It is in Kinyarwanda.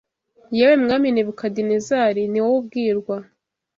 Yewe Mwami Nebukadinezari ni wowe ubwirwa